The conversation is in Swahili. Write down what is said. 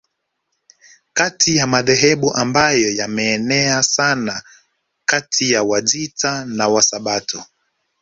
Kati ya madhehebu ambayo yameenea sana kati ya Wajita ni Wasabato